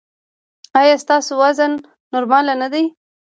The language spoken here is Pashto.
ایا ستاسو وزن نورمال نه دی؟